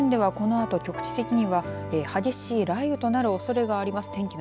この長野県では、このあと局地的に激しい雷雨となるおそれがあります。